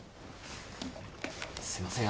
すいません